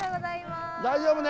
大丈夫ね。